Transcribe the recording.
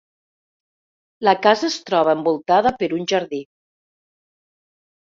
La casa es troba envoltada per un jardí.